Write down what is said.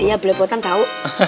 iya belopotan tau